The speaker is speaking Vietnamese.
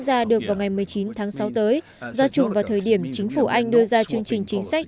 ra được vào ngày một mươi chín tháng sáu tới do trùng vào thời điểm chính phủ anh đưa ra chương trình chính sách